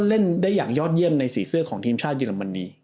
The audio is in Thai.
เล่นได้อย่างยอดเยี่ยมในสีเสื้อของทีมชาติเยอรมนี